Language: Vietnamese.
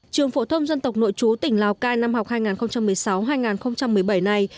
trường phổ thông dân tộc nội chú tỉnh lào cai năm học hai nghìn một mươi sáu hai nghìn một mươi bảy này